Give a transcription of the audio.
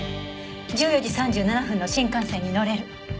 １４時３７分の新幹線に乗れる。